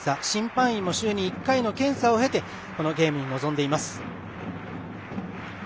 審判員も週に１回の検査を経てゲームに臨んでいます。